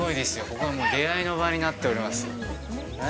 ここはもう出会いの場になっております